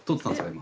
今。